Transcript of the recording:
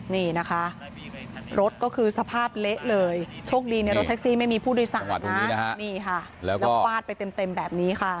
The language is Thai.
นี่นะคะรถก็คือสภาพเละเลยโชคดีในรถแท็กซี่ไม่มีผู้โดยสารนะนี่ค่ะแล้วฟาดไปเต็มแบบนี้ค่ะ